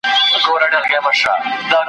چي زه الوزم پر تاسي څه قیامت دی `